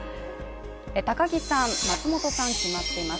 高木さん、松本さん決まっています。